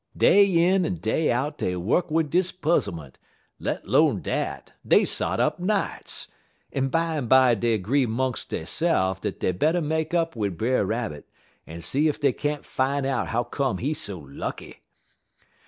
Day in en day out dey wuk wid dis puzzlement; let 'lone dat, dey sot up nights; en bimeby dey 'gree 'mungs deyse'f dat dey better make up wid Brer Rabbit, en see ef dey can't fine out how come he so lucky.